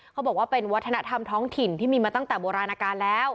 เขาบอกว่าเป็นวัฒนธรรมท้องถิ่นที่มีมาตั้งแต่โบราณการแล้ว